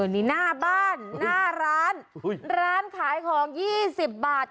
นี่หน้าบ้านหน้าร้านร้านขายของ๒๐บาท